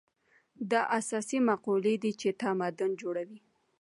دا اساسي مقولې دي چې تمدن جوړوي.